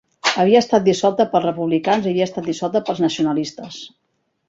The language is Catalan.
Havia estat dissolta pels republicans i havia estat dissolta pels nacionalistes.